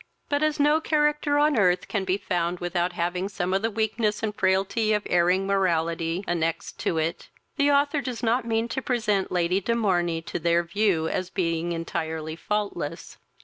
But, as no character on earth can be found without having some of the weakness and frailty of erring mortality annexed to it, the author does not mean to present Lady de Morney to their view as a being entirely faultless.